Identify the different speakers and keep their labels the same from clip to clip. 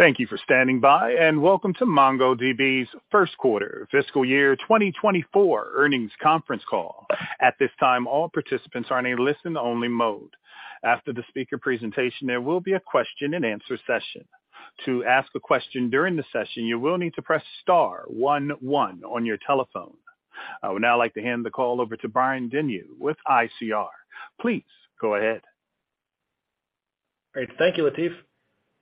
Speaker 1: Thank you for standing by. Welcome to MongoDB's first quarter fiscal year 2024 earnings conference call. At this time, all participants are in a listen-only mode. After the speaker presentation, there will be a question-and-answer session. To ask a question during the session, you will need to press star one one on your telephone. I would now like to hand the call over to Brian Denyeau with ICR. Please go ahead.
Speaker 2: Great. Thank you, Latif.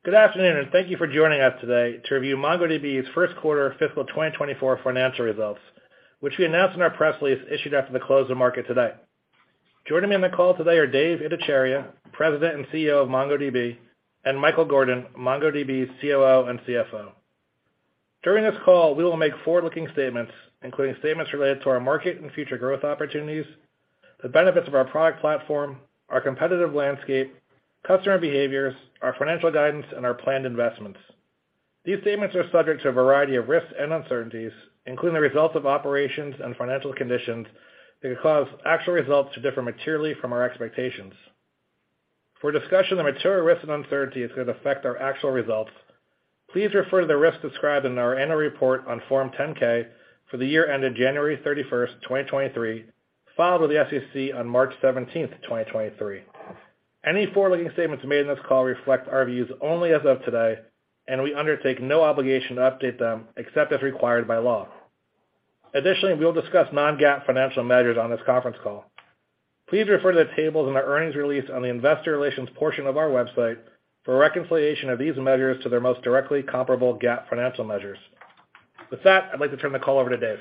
Speaker 2: Good afternoon and thank you for joining us today to review MongoDB's first quarter fiscal 2024 financial results, which we announced in our press release issued after the close of market today. Joining me on the call today are Dev Ittycheria, President and CEO of MongoDB, and Michael Gordon, MongoDB's COO and CFO. During this call, we will make forward-looking statements, including statements related to our market and future growth opportunities, the benefits of our product platform, our competitive landscape, customer behaviors, our financial guidance, and our planned investments. These statements are subject to a variety of risks and uncertainties, including the results of operations and financial conditions that could cause actual results to differ materially from our expectations. For a discussion of material risks and uncertainties that could affect our actual results, please refer to the risks described in our annual report on Form 10-K for the year ended January 31st, 2023, filed with the SEC on March 17th, 2023. We undertake no obligation to update them except as required by law. Additionally, we'll discuss non-GAAP financial measures on this conference call. Please refer to the tables in our earnings release on the investor relations portion of our website for a reconciliation of these measures to their most directly comparable GAAP financial measures. With that, I'd like to turn the call over to Dev.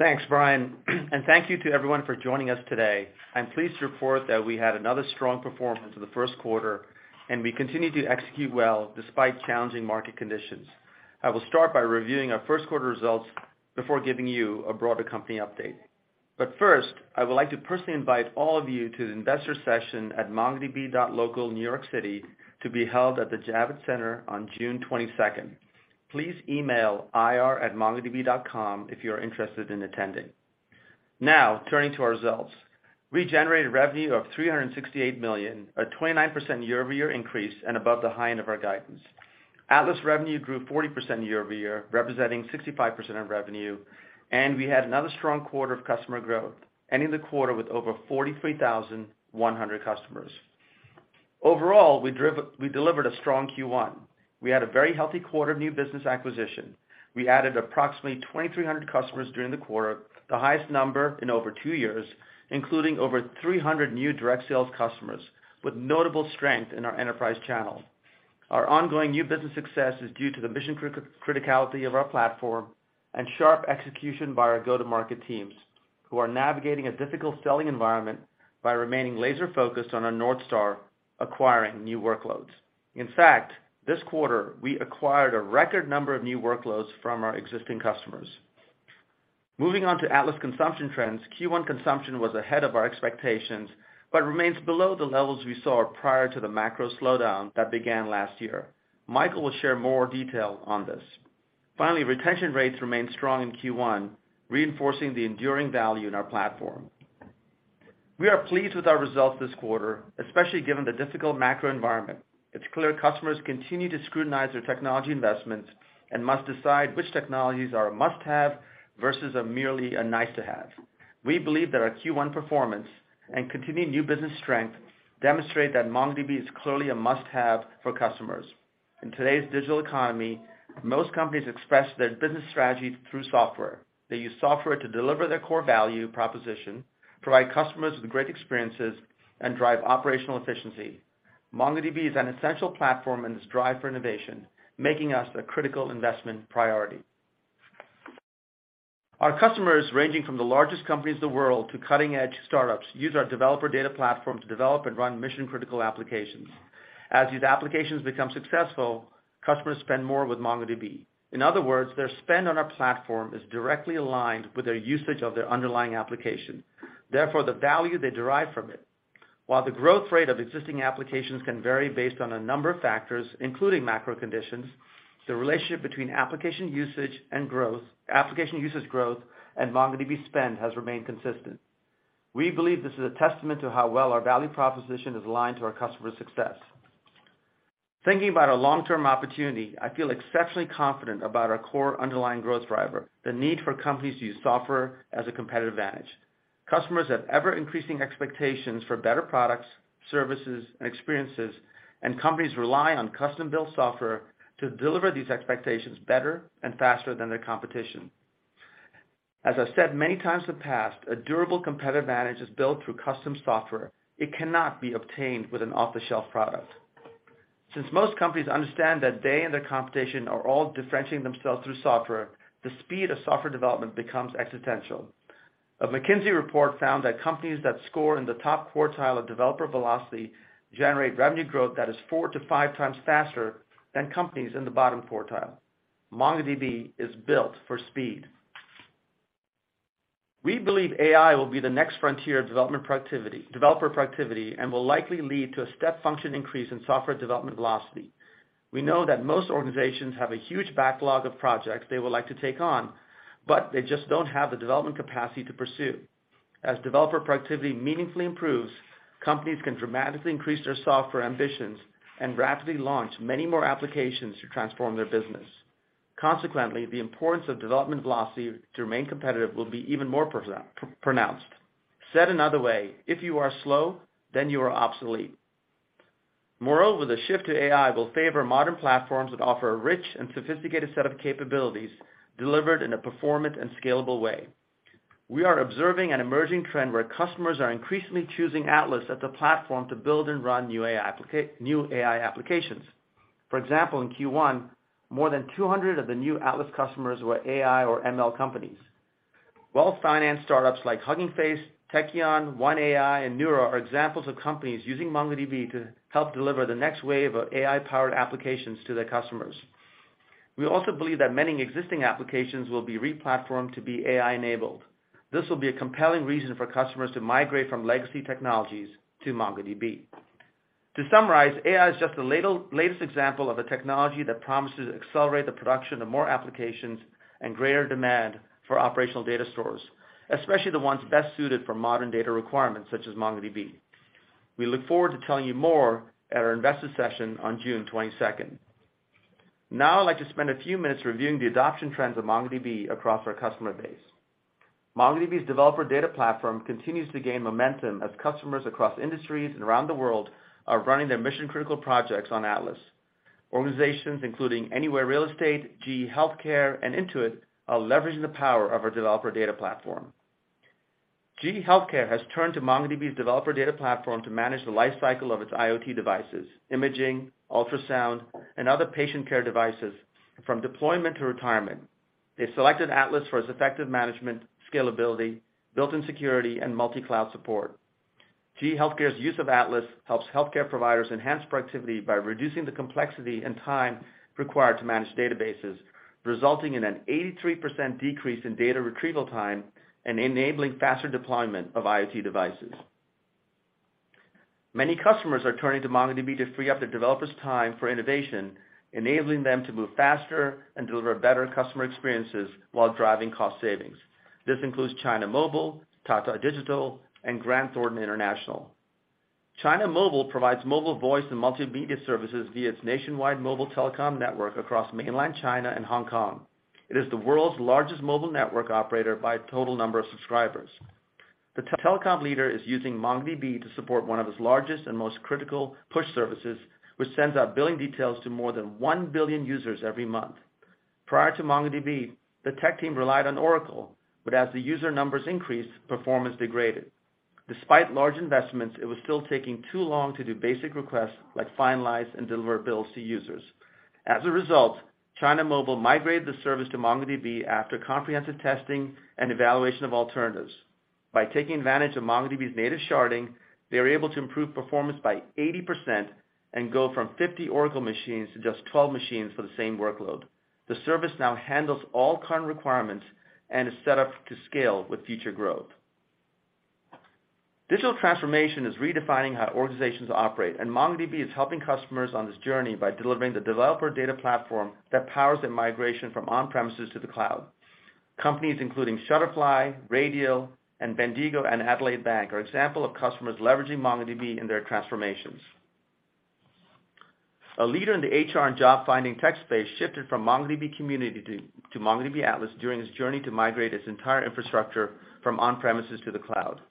Speaker 3: Thanks, Brian. Thank you to everyone for joining us today. I'm pleased to report that we had another strong performance in the first quarter, and we continued to execute well despite challenging market conditions. I will start by reviewing our first quarter results before giving you a broader company update. First, I would like to personally invite all of you to the investor session at MongoDB.local, New York City, to be held at the Javits Center on June 22nd. Please email ir@mongodb.com if you are interested in attending. Turning to our results. We generated revenue of $368 million, a 29% year-over-year increase and above the high end of our guidance. Atlas revenue grew 40% year-over-year, representing 65% of revenue, and we had another strong quarter of customer growth, ending the quarter with over 43,100 customers. Overall, we delivered a strong Q1. We had a very healthy quarter of new business acquisition. We added approximately 2,300 customers during the quarter, the highest number in over two years, including over 300 new direct sales customers, with notable strength in our enterprise channel. Our ongoing new business success is due to the mission criticality of our platform and sharp execution by our go-to-market teams, who are navigating a difficult selling environment by remaining laser-focused on our North Star, acquiring new workloads. In fact, this quarter, we acquired a record number of new workloads from our existing customers. Moving on to Atlas consumption trends, Q1 consumption was ahead of our expectations but remains below the levels we saw prior to the macro slowdown that began last year. Michael will share more detail on this. Retention rates remained strong in Q1, reinforcing the enduring value in our platform. We are pleased with our results this quarter, especially given the difficult macro environment. It's clear customers continue to scrutinize their technology investments and must decide which technologies are a must-have versus a merely a nice-to-have. We believe that our Q1 performance and continuing new business strength demonstrate that MongoDB is clearly a must-have for customers. In today's digital economy, most companies express their business strategy through software. They use software to deliver their core value proposition, provide customers with great experiences, and drive operational efficiency. MongoDB is an essential platform in this drive for innovation, making us a critical investment priority. Our customers, ranging from the largest companies in the world to cutting-edge startups, use our developer data platform to develop and run mission-critical applications. As these applications become successful, customers spend more with MongoDB. In other words, their spend on our platform is directly aligned with their usage of their underlying application, therefore, the value they derive from it. While the growth rate of existing applications can vary based on a number of factors, including macro conditions, the relationship between application usage growth and MongoDB spend has remained consistent. We believe this is a testament to how well our value proposition is aligned to our customers' success. Thinking about our long-term opportunity, I feel exceptionally confident about our core underlying growth driver, the need for companies to use software as a competitive advantage. Customers have ever-increasing expectations for better products, services, and experiences. Companies rely on custom-built software to deliver these expectations better and faster than their competition. As I've said many times in the past, a durable competitive advantage is built through custom software. It cannot be obtained with an off-the-shelf product. Since most companies understand that they and their competition are all differentiating themselves through software, the speed of software development becomes existential. A McKinsey report found that companies that score in the top quartile of developer velocity generate revenue growth that is four to five times faster than companies in the bottom quartile. MongoDB is built for speed. We believe AI will be the next frontier of developer productivity and will likely lead to a step function increase in software development velocity. We know that most organizations have a huge backlog of projects they would like to take on, they just don't have the development capacity to pursue. As developer productivity meaningfully improves, companies can dramatically increase their software ambitions and rapidly launch many more applications to transform their business. Consequently, the importance of development velocity to remain competitive will be even more pronounced. Said another way, if you are slow, then you are obsolete. Moreover, the shift to AI will favor modern platforms that offer a rich and sophisticated set of capabilities delivered in a performant and scalable way. We are observing an emerging trend where customers are increasingly choosing Atlas as the platform to build and run new AI applications. For example, in Q1, more than 200 of the new Atlas customers were AI or ML companies. Well-financed startups like Hugging Face, Tekion, OneAI, and Neuro are examples of companies using MongoDB to help deliver the next wave of AI-powered applications to their customers. We also believe that many existing applications will be re-platformed to be AI-enabled. This will be a compelling reason for customers to migrate from legacy technologies to MongoDB. To summarize, AI is just the latest example of a technology that promises to accelerate the production of more applications and greater demand for operational data stores, especially the ones best suited for modern data requirements, such as MongoDB. We look forward to telling you more at our investor session on June 22nd. I'd like to spend a few minutes reviewing the adoption trends of MongoDB across our customer base. MongoDB's developer data platform continues to gain momentum as customers across industries and around the world are running their mission-critical projects on Atlas. Organizations including Anywhere Real Estate, GE HealthCare, and Intuit are leveraging the power of our developer data platform. GE HealthCare has turned to MongoDB's developer data platform to manage the lifecycle of its IoT devices, imaging, ultrasound, and other patient care devices from deployment to retirement. They selected Atlas for its effective management, scalability, built-in security, and multi-cloud support. GE HealthCare's use of Atlas helps healthcare providers enhance productivity by reducing the complexity and time required to manage databases, resulting in an 83% decrease in data retrieval time and enabling faster deployment of IoT devices. Many customers are turning to MongoDB to free up their developers' time for innovation, enabling them to move faster and deliver better customer experiences while driving cost savings. This includes China Mobile, Tata Digital, and Grant Thornton International. China Mobile provides mobile voice and multimedia services via its nationwide mobile telecom network across mainland China and Hong Kong. It is the world's largest mobile network operator by total number of subscribers. The telecom leader is using MongoDB to support one of its largest and most critical push services, which sends out billing details to more than 1 billion users every month. Prior to MongoDB, the tech team relied on Oracle, but as the user numbers increased, performance degraded. Despite large investments, it was still taking too long to do basic requests, like finalize and deliver bills to users. As a result, China Mobile migrated the service to MongoDB after comprehensive testing and evaluation of alternatives. By taking advantage of MongoDB's native sharding, they were able to improve performance by 80% and go from 50 Oracle machines to just 12 machines for the same workload. The service now handles all current requirements and is set up to scale with future growth. Digital transformation is redefining how organizations operate, and MongoDB is helping customers on this journey by delivering the developer data platform that powers their migration from on-premises to the cloud. Companies including Shutterfly, Radial, and Bendigo and Adelaide Bank are example of customers leveraging MongoDB in their transformations. A leader in the HR and job-finding tech space shifted from MongoDB Community to MongoDB Atlas during its journey to migrate its entire infrastructure from on-premises to the cloud.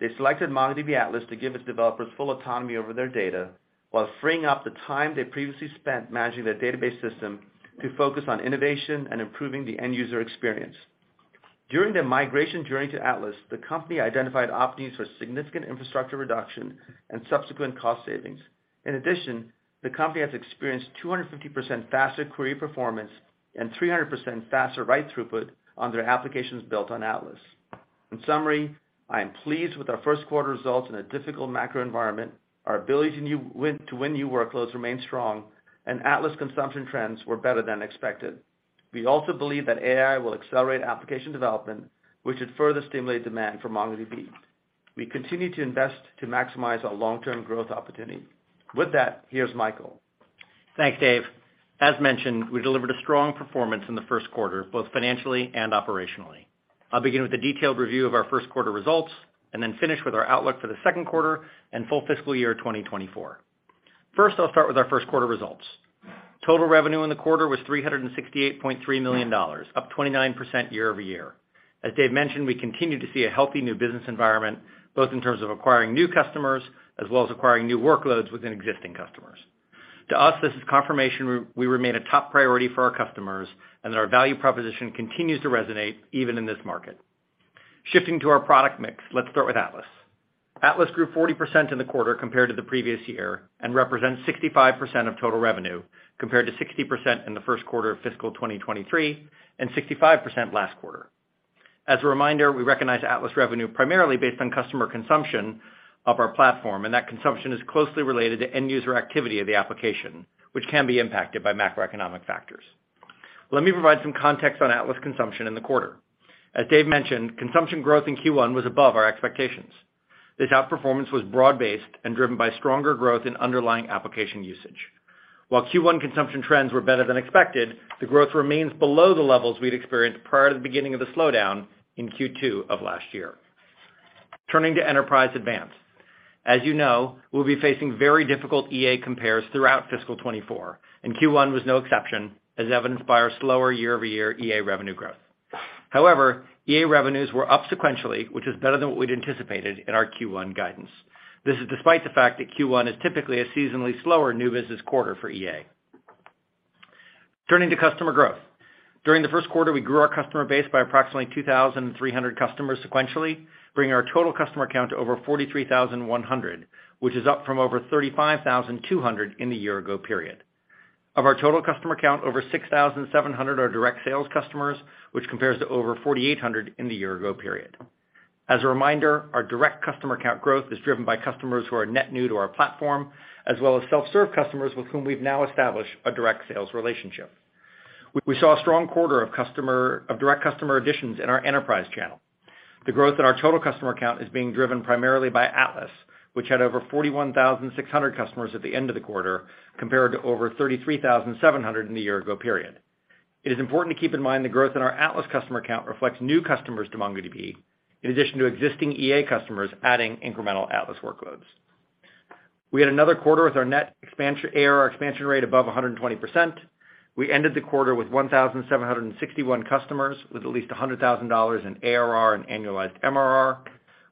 Speaker 3: They selected MongoDB Atlas to give its developers full autonomy over their data, while freeing up the time they previously spent managing their database system to focus on innovation and improving the end-user experience. During their migration journey to Atlas, the company identified opportunities for significant infrastructure reduction and subsequent cost savings. In addition, the company has experienced 250% faster query performance and 300% faster write throughput on their applications built on Atlas. In summary, I am pleased with our first quarter results in a difficult macro environment. Our ability to win new workloads remains strong, and Atlas consumption trends were better than expected. We also believe that AI will accelerate application development, which should further stimulate demand for MongoDB. We continue to invest to maximize our long-term growth opportunity. With that, here's Michael.
Speaker 4: Thanks, Dev. As mentioned, we delivered a strong performance in the first quarter, both financially and operationally. I'll begin with a detailed review of our first quarter results and then finish with our outlook for the second quarter and full fiscal year 2024. I'll start with our first quarter results. Total revenue in the quarter was $368.3 million, up 29% year-over-year. As Dev mentioned, we continue to see a healthy new business environment, both in terms of acquiring new customers, as well as acquiring new workloads within existing customers. To us, this is confirmation we remain a top priority for our customers, and that our value proposition continues to resonate even in this market. Shifting to our product mix, let's start with Atlas. Atlas grew 40% in the quarter compared to the previous year and represents 65% of total revenue, compared to 60% in the 1st quarter of fiscal 2023 and 65% last quarter. As a reminder, we recognize Atlas revenue primarily based on customer consumption of our platform, and that consumption is closely related to end-user activity of the application, which can be impacted by macroeconomic factors. Let me provide some context on Atlas consumption in the quarter. As Dev mentioned, consumption growth in Q1 was above our expectations. This outperformance was broad-based and driven by stronger growth in underlying application usage. While Q1 consumption trends were better than expected, the growth remains below the levels we'd experienced prior to the beginning of the slowdown in Q2 of last year. Turning to Enterprise Advanced. As you know, we'll be facing very difficult EA compares throughout fiscal 2024, and Q1 was no exception, as evidenced by our slower year-over-year EA revenue growth. However, EA revenues were up sequentially, which is better than what we'd anticipated in our Q1 guidance. This is despite the fact that Q1 is typically a seasonally slower new business quarter for EA. Turning to customer growth. During the first quarter, we grew our customer base by approximately 2,300 customers sequentially, bringing our total customer count to over 43,100, which is up from over 35,200 in the year ago period. Of our total customer count, over 6,700 are direct sales customers, which compares to over 4,800 in the year ago period. As a reminder, our direct customer count growth is driven by customers who are net new to our platform, as well as self-serve customers with whom we've now established a direct sales relationship. We saw a strong quarter of customer of direct customer additions in our enterprise channel. The growth in our total customer count is being driven primarily by Atlas, which had over 41,600 customers at the end of the quarter, compared to over 33,700 in the year-ago period. It is important to keep in mind the growth in our Atlas customer count reflects new customers to MongoDB, in addition to existing EA customers adding incremental Atlas workloads. We had another quarter with our net expansion, ARR expansion rate above 120%. We ended the quarter with 1,761 customers, with at least $100,000 in ARR and annualized MRR,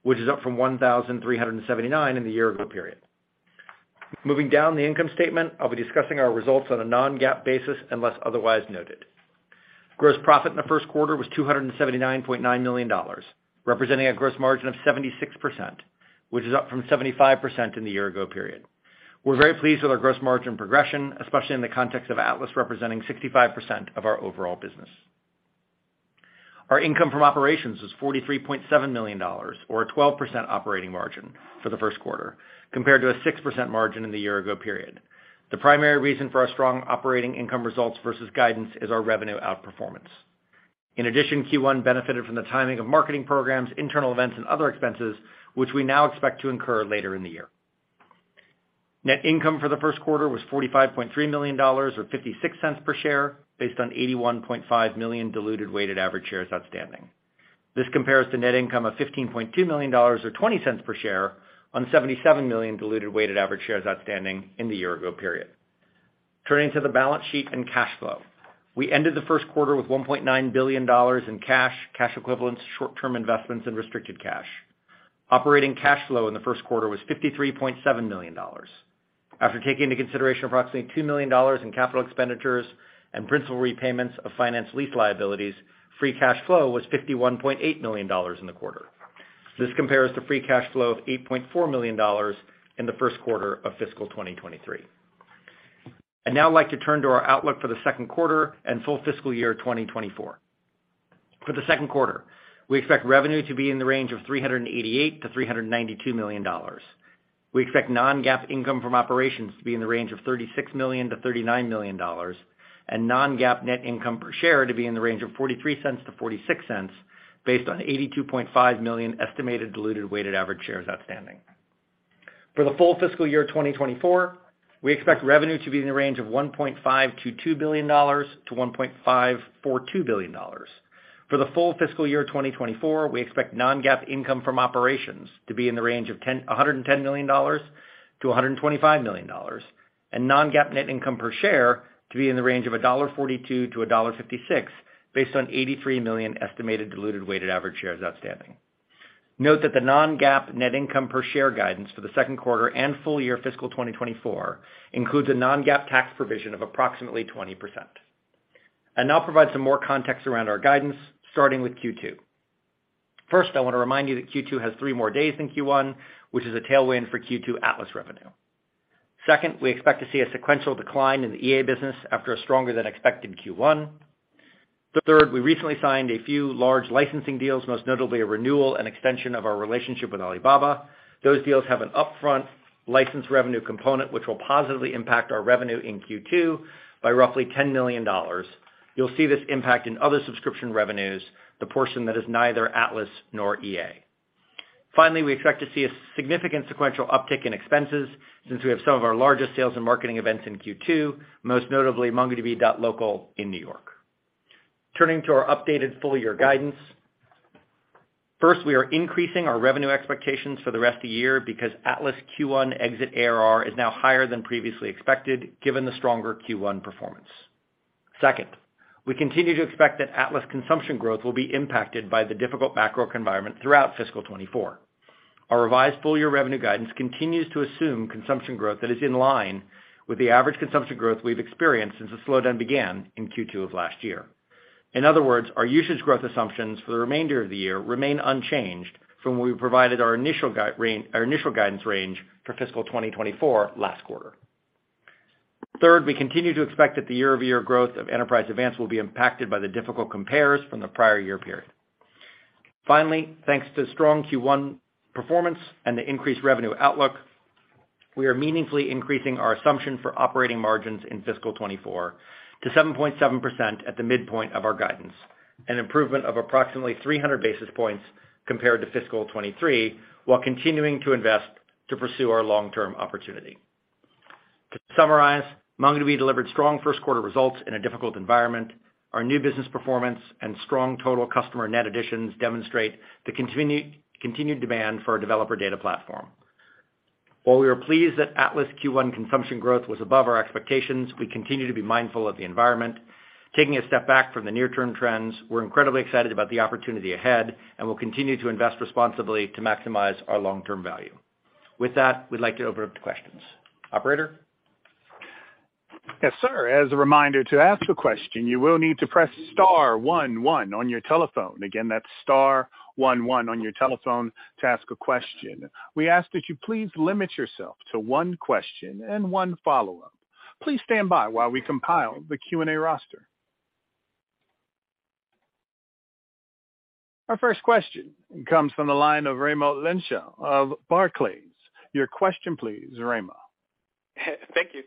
Speaker 4: which is up from 1,379 in the year-ago period. Moving down the income statement, I'll be discussing our results on a non-GAAP basis unless otherwise noted. Gross profit in the first quarter was $279.9 million, representing a gross margin of 76%, which is up from 75% in the year-ago period. We're very pleased with our gross margin progression, especially in the context of Atlas representing 65% of our overall business. Our income from operations was $43.7 million, or a 12% operating margin for the first quarter, compared to a 6% margin in the year-ago period. The primary reason for our strong operating income results versus guidance is our revenue outperformance. In addition, Q1 benefited from the timing of marketing programs, internal events, and other expenses, which we now expect to incur later in the year. Net income for the first quarter was $45.3 million, or $0.56 per share, based on 81.5 million diluted weighted average shares outstanding. This compares to net income of $15.2 million, or $0.20 per share, on 77 million diluted weighted average shares outstanding in the year ago period. Turning to the balance sheet and cash flow. We ended the first quarter with $1.9 billion in cash equivalents, short-term investments, and restricted cash. Operating cash flow in the first quarter was $53.7 million. After taking into consideration approximately $2 million in capital expenditures and principal repayments of finance lease liabilities, free cash flow was $51.8 million in the quarter. This compares to free cash flow of $8.4 million in the first quarter of fiscal 2023. I'd now like to turn to our outlook for the second quarter and full fiscal year 2024. For the second quarter, we expect revenue to be in the range of $388 million-$392 million. We expect non-GAAP income from operations to be in the range of $36 million-$39 million, and non-GAAP net income per share to be in the range of $0.43-$0.46, based on 82.5 million estimated diluted weighted average shares outstanding. For the full fiscal year 2024, we expect revenue to be in the range of $1.52 billion-$1.542 billion. For the full fiscal year 2024, we expect non-GAAP income from operations to be in the range of $110 million-$125 million, and non-GAAP net income per share to be in the range of $1.42-$1.56, based on 83 million estimated diluted weighted average shares outstanding. Note that the non-GAAP net income per share guidance for the second quarter and full year fiscal 2024 includes a non-GAAP tax provision of approximately 20%. I'll now provide some more context around our guidance, starting with Q2. First, I want to remind you that Q2 has three more days than Q1, which is a tailwind for Q2 Atlas revenue. Second, we expect to see a sequential decline in the EA business after a stronger than expected Q1. Third, we recently signed a few large licensing deals, most notably a renewal and extension of our relationship with Alibaba. Those deals have an upfront license revenue component, which will positively impact our revenue in Q2 by roughly $10 million. You'll see this impact in other subscription revenues, the portion that is neither Atlas nor EA. Finally, we expect to see a significant sequential uptick in expenses since we have some of our largest sales and marketing events in Q2, most notably MongoDB.local in New York. Turning to our updated full-year guidance. First, we are increasing our revenue expectations for the rest of the year because Atlas Q1 exit ARR is now higher than previously expected, given the stronger Q1 performance. Second, we continue to expect that Atlas consumption growth will be impacted by the difficult macro environment throughout fiscal 2024. Our revised full-year revenue guidance continues to assume consumption growth that is in line with the average consumption growth we've experienced since the slowdown began in Q2 of last year. In other words, our usage growth assumptions for the remainder of the year remain unchanged from when we provided our initial guidance range for fiscal 2024 last quarter. Third, we continue to expect that the year-over-year growth of Enterprise Advanced will be impacted by the difficult compares from the prior year period. Finally, thanks to strong Q1 performance and the increased revenue outlook, we are meaningfully increasing our assumption for operating margins in fiscal 2024 to 7.7% at the midpoint of our guidance.... an improvement of approximately 300 basis points compared to fiscal 2023, while continuing to invest to pursue our long-term opportunity. To summarize, MongoDB delivered strong first quarter results in a difficult environment. Our new business performance and strong total customer net additions demonstrate the continued demand for our developer data platform. While we are pleased that Atlas Q1 consumption growth was above our expectations, we continue to be mindful of the environment. Taking a step back from the near-term trends, we're incredibly excited about the opportunity ahead, and we'll continue to invest responsibly to maximize our long-term value. With that, we'd like to open up to questions. Operator?
Speaker 1: Yes, sir. As a reminder, to ask a question, you will need to press star one on your telephone. Again, that's star one on your telephone to ask a question. We ask that you please limit yourself to one question and one follow-up. Please stand by while we compile the Q&A roster. Our first question comes from the line of Raimo Lenschow of Barclays. Your question, please, Raimo.
Speaker 5: Thank you.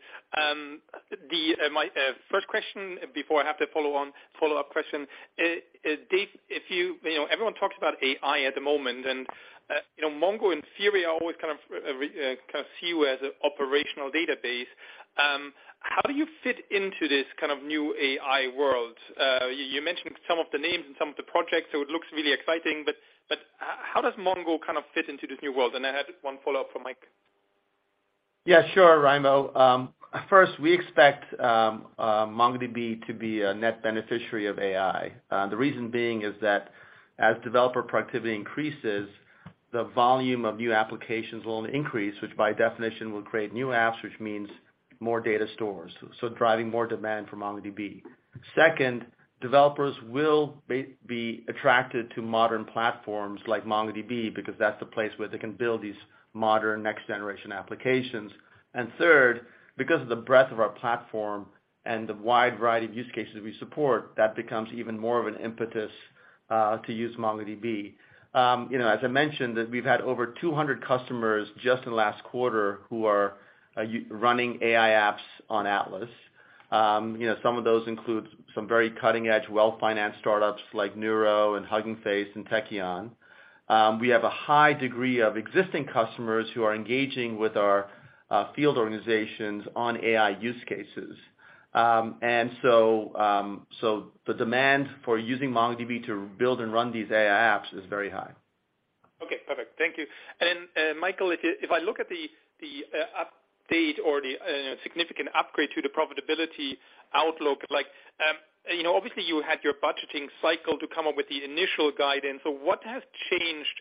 Speaker 5: My first question before I have to follow on, follow-up question, Dev. You know, everyone talks about AI at the moment, and, you know, Mongo, in theory, are always kind of, kind of see you as an operational database. How do you fit into this kind of new AI world? You mentioned some of the names and some of the projects, so it looks really exciting, but how does Mongo kind of fit into this new world? I have just one follow-up for Mike.
Speaker 3: Yeah, sure, Raimo. First, we expect MongoDB to be a net beneficiary of AI. The reason being is that as developer productivity increases, the volume of new applications will increase, which by definition, will create new apps, which means more data stores, so driving more demand for MongoDB. Second, developers will be attracted to modern platforms like MongoDB because that's the place where they can build these modern next-generation applications. Third, because of the breadth of our platform and the wide variety of use cases we support, that becomes even more of an impetus to use MongoDB. You know, as I mentioned, that we've had over 200 customers just in the last quarter who are running AI apps on Atlas. You know, some of those include some very cutting-edge, well-financed startups like Neuro and Hugging Face and Tekion. We have a high degree of existing customers who are engaging with our field organizations on AI use cases. The demand for using MongoDB to build and run these AI apps is very high.
Speaker 5: Okay, perfect. Thank you. Michael, if I look at the update or the significant upgrade to the profitability outlook, like, you know, obviously you had your budgeting cycle to come up with the initial guidance. What has changed,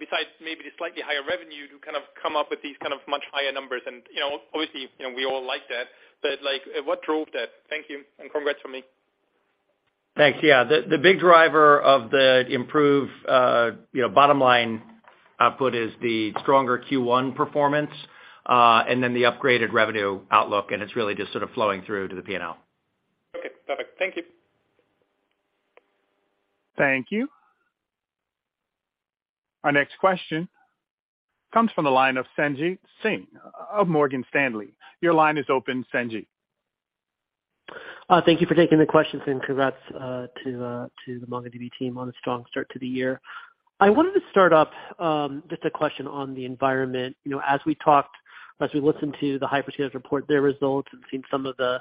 Speaker 5: besides maybe the slightly higher revenue to kind of come up with these kind of much higher numbers? You know, obviously, you know, we all like that, but, like, what drove that? Thank you, and congrats from me.
Speaker 4: Thanks. Yeah. The big driver of the improved, you know, bottom line output is the stronger Q1 performance. The upgraded revenue outlook, it's really just sort of flowing through to the P&L.
Speaker 5: Okay, perfect. Thank you.
Speaker 1: Thank you. Our next question comes from the line of Sanjit Singh of Morgan Stanley. Your line is open, Sanjit.
Speaker 6: Thank you for taking the questions. Congrats to the MongoDB team on a strong start to the year. I wanted to start off, just a question on the environment. You know, as we talked, as we listened to the hyperscaler report their results and seen some of the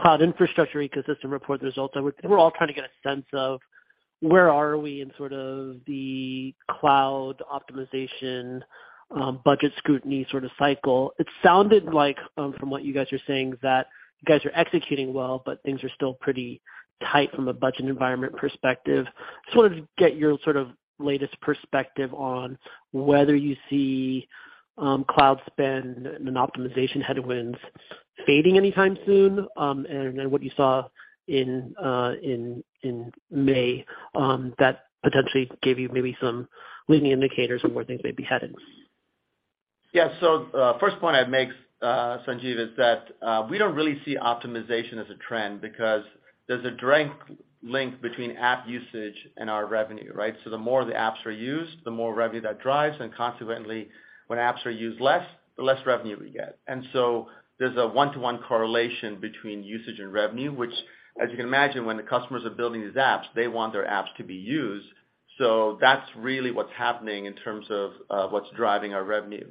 Speaker 6: cloud infrastructure ecosystem report results, we're all trying to get a sense of where are we in sort of the cloud optimization, budget scrutiny sort of cycle. It sounded like, from what you guys are saying, that you guys are executing well, but things are still pretty tight from a budget environment perspective. Just wanted to get your sort of latest perspective on whether you see cloud spend and optimization headwinds fading anytime soon, and what you saw in May that potentially gave you maybe some leading indicators of where things may be heading?
Speaker 3: First point I'd make, Sanjit, is that we don't really see optimization as a trend because there's a direct link between app usage and our revenue, right? The more the apps are used, the more revenue that drives, and consequently, when apps are used less, the less revenue we get. There's a one-to-one correlation between usage and revenue, which, as you can imagine, when the customers are building these apps, they want their apps to be used. That's really what's happening in terms of what's driving our revenue.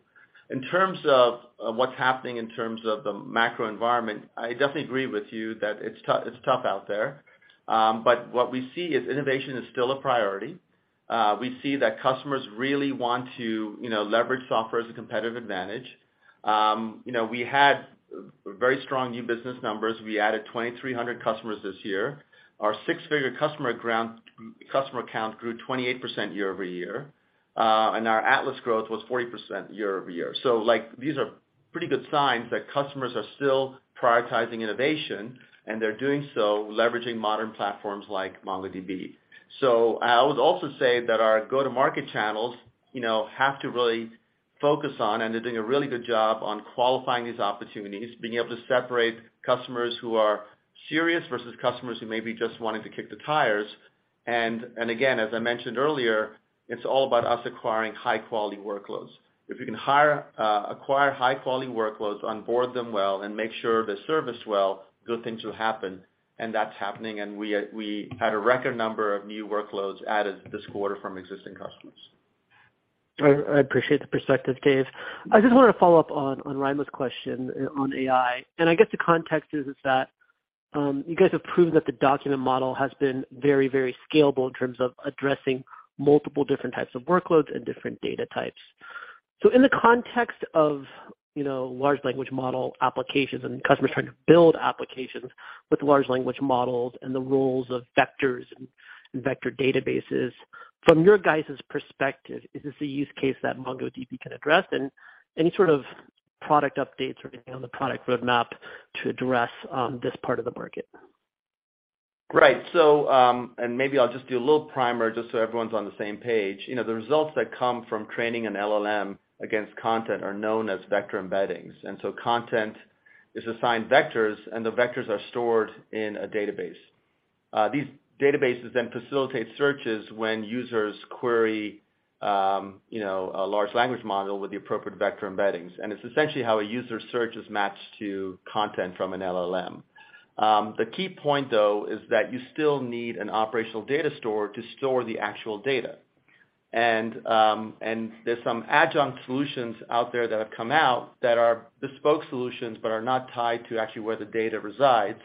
Speaker 3: In terms of what's happening in terms of the macro environment, I definitely agree with you that it's tough out there, but what we see is innovation is still a priority. We see that customers really want to, you know, leverage software as a competitive advantage. You know, we had very strong new business numbers. We added 2,300 customers this year. Our six-figure customer count grew 28% year-over-year, and our Atlas growth was 40% year-over-year. Like, these are pretty good signs that customers are still prioritizing innovation, and they're doing so leveraging modern platforms like MongoDB. I would also say that our go-to-market channels, you know, have to really focus on, and they're doing a really good job on qualifying these opportunities, being able to separate customers who are serious versus customers who may be just wanting to kick the tires. Again, as I mentioned earlier, it's all about us acquiring high-quality workloads. If you can acquire high-quality workloads, onboard them well, and make sure they're serviced well, good things will happen. That's happening, and we had a record number of new workloads added this quarter from existing customers.
Speaker 6: I appreciate the perspective, Dev. I just wanted to follow up on Raimo's question on AI, and I guess the context is that you guys have proved that the document model has been very scalable in terms of addressing multiple different types of workloads and different data types. In the context of, you know, large language model applications and customers trying to build applications with large language models and the roles of vectors and vector databases, from your guys's perspective, is this a use case that MongoDB can address? Any sort of product updates or anything on the product roadmap to address this part of the market?
Speaker 3: Right. Maybe I'll just do a little primer just so everyone's on the same page. You know, the results that come from training an LLM against content are known as vector embeddings. Content is assigned vectors, and the vectors are stored in a database. These databases then facilitate searches when users query, you know, a large language model with the appropriate vector embeddings. It's essentially how a user search is matched to content from an LLM. The key point, though, is that you still need an operational data store to store the actual data. There's some adjunct solutions out there that have come out that are bespoke solutions, but are not tied to actually where the data resides,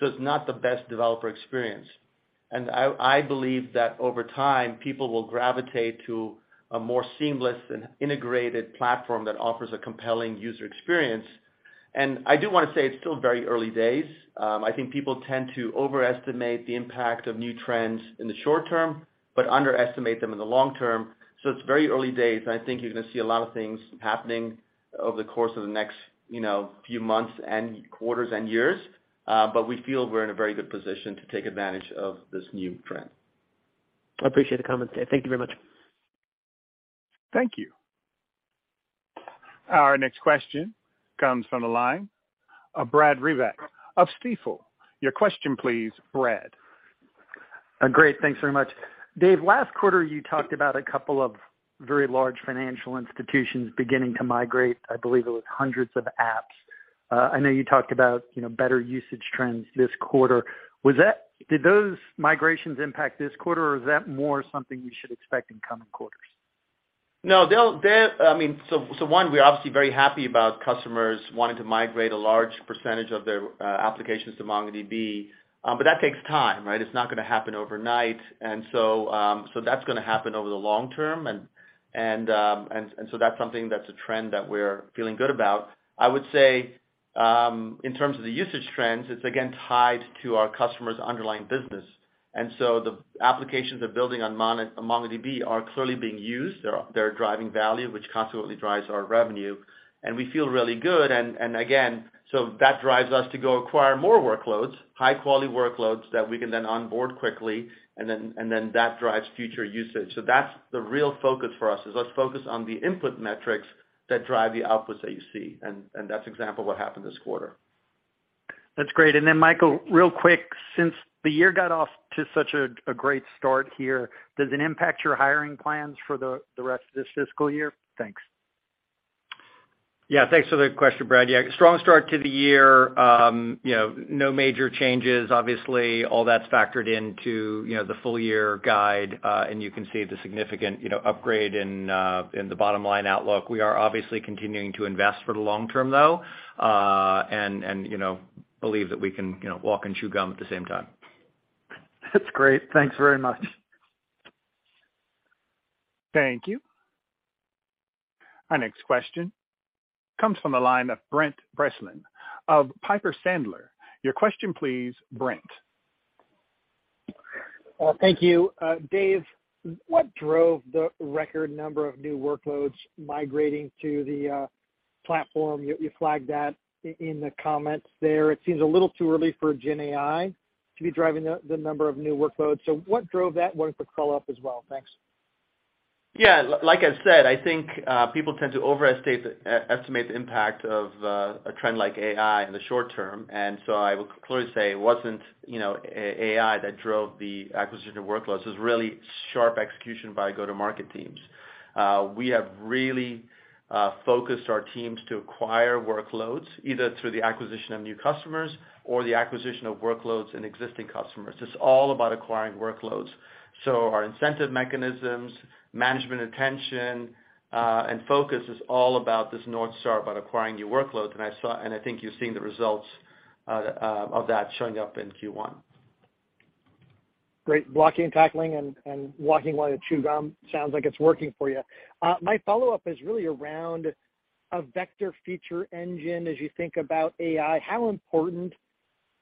Speaker 3: so it's not the best developer experience. I believe that over time, people will gravitate to a more seamless and integrated platform that offers a compelling user experience. I do want to say it's still very early days. I think people tend to overestimate the impact of new trends in the short term, but underestimate them in the long term. It's very early days, and I think you're going to see a lot of things happening over the course of the next, you know, few months and quarters and years. We feel we're in a very good position to take advantage of this new trend.
Speaker 6: I appreciate the comment, Dev. Thank you very much.
Speaker 1: Thank you. Our next question comes from the line of Brad Reback of Stifel. Your question, please, Brad.
Speaker 7: Great. Thanks very much. Dev, last quarter, you talked about a couple of very large financial institutions beginning to migrate, I believe it was hundreds of apps. I know you talked about, you know, better usage trends this quarter. Did those migrations impact this quarter, or is that more something we should expect in coming quarters?
Speaker 3: No, I mean, so one, we're obviously very happy about customers wanting to migrate a large percentage of their applications to MongoDB, but that takes time, right? It's not gonna happen overnight. That's gonna happen over the long term. And that's something that's a trend that we're feeling good about. I would say, in terms of the usage trends, it's again, tied to our customers' underlying business. The applications they're building on MongoDB are clearly being used. They're driving value, which consequently drives our revenue, and we feel really good. And again, that drives us to go acquire more workloads, high-quality workloads that we can then onboard quickly, and then that drives future usage. That's the real focus for us, is let's focus on the input metrics that drive the outputs that you see. And that's example of what happened this quarter.
Speaker 7: That's great. Then, Michael, real quick, since the year got off to such a great start here, does it impact your hiring plans for the rest of this fiscal year? Thanks.
Speaker 4: Yeah, thanks for the question, Brad. Yeah, strong start to the year. you know, no major changes. Obviously, all that's factored into, you know, the full year guide, and you can see the significant, you know, upgrade in the bottom line outlook. We are obviously continuing to invest for the long term, though, and, you know, believe that we can, you know, walk and chew gum at the same time.
Speaker 7: That's great. Thanks very much.
Speaker 1: Thank you. Our next question comes from the line of Brent Bracelin of Piper Sandler. Your question, please, Brent.
Speaker 8: Thank you. Dev, what drove the record number of new workloads migrating to the platform? You flagged that in the comments there. It seems a little too early for GenAI to be driving the number of new workloads. What drove that, with the follow-up as well? Thanks.
Speaker 3: Yeah, like I said, I think people tend to overestimate the impact of a trend like AI in the short term. I will clearly say it wasn't, you know, AI that drove the acquisition of workloads. It was really sharp execution by go-to-market teams. We have really focused our teams to acquire workloads, either through the acquisition of new customers or the acquisition of workloads in existing customers. It's all about acquiring workloads. Our incentive mechanisms, management attention, and focus is all about this North Star, about acquiring new workloads. I think you've seen the results of that showing up in Q1.
Speaker 8: Great. Blocking and tackling and walking while you chew gum, sounds like it's working for you. My follow-up is really around a vector feature engine. As you think about AI, how important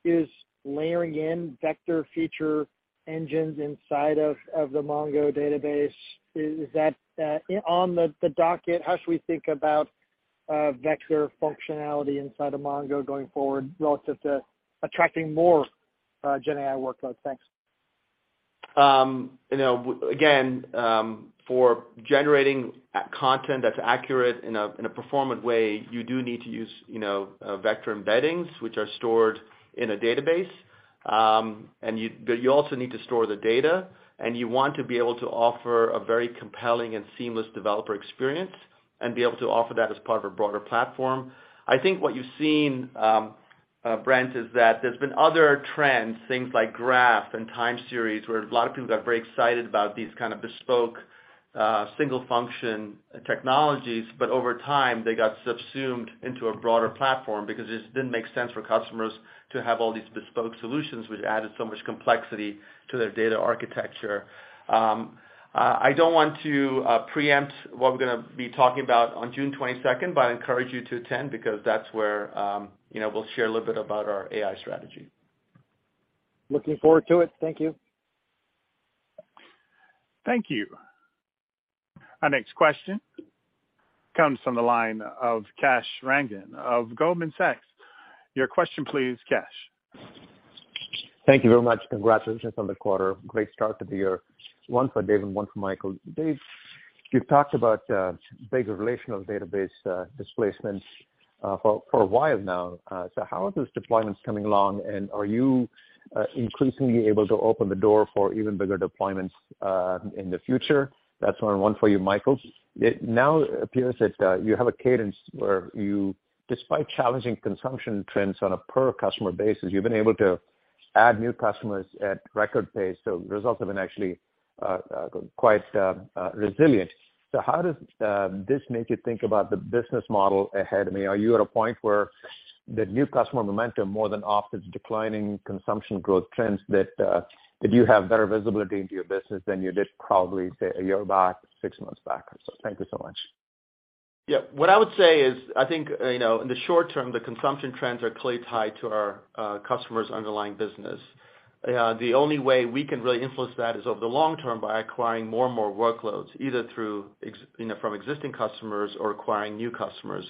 Speaker 8: is layering in vector feature engines inside of the Mongo database? Is that on the docket? How should we think about vector functionality inside of Mongo going forward relative to attracting more GenAI workloads? Thanks.
Speaker 3: You know, again, for generating content that's accurate in a performant way, you do need to use, you know, vector embeddings, which are stored in a database. You also need to store the data, and you want to be able to offer a very compelling and seamless developer experience and be able to offer that as part of a broader platform. I think what you've seen, Brent, is that there's been other trends, things like Graph and Time Series, where a lot of people got very excited about these kind of bespoke, single function technologies, but over time, they got subsumed into a broader platform because it just didn't make sense for customers to have all these bespoke solutions, which added so much complexity to their data architecture. I don't want to preempt what we're gonna be talking about on June 22nd, but I encourage you to attend, because that's where, you know, we'll share a little bit about our AI strategy.
Speaker 8: Looking forward to it. Thank you.
Speaker 1: Thank you. Our next question comes from the line of Kash Rangan of Goldman Sachs. Your question please, Kash.
Speaker 9: Thank you very much. Congratulations on the quarter. Great start to the year. One for Dev and one for Michael. Dev, you've talked about bigger relational database displacements for a while now. How are those deployments coming along? Are you increasingly able to open the door for even bigger deployments in the future? That's one, and one for you, Michael. It now appears that you have a cadence where you, despite challenging consumption trends on a per customer basis, you've been able to add new customers at record pace. Results have been actually quite resilient. How does this make you think about the business model ahead? I mean, are you at a point where the new customer momentum more than offsets declining consumption growth trends, that you have better visibility into your business than you did probably, say, a year back, six months back? Thank you so much.
Speaker 3: Yeah. What I would say is, I think, you know, in the short term, the consumption trends are clearly tied to our customers' underlying business. The only way we can really influence that is over the long term by acquiring more and more workloads, either through you know, from existing customers or acquiring new customers.